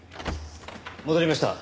戻りました。